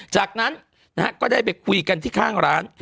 จากนั้นก็ได้ไปคุยกันที่ข้างร้าน